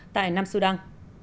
tại nam sudan